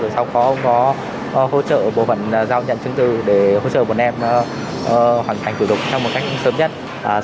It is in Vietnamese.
sau đó cũng có hỗ trợ bộ phận giao nhận chứng tư để hỗ trợ bọn em hoàn thành thủ tục trong một cách sớm nhất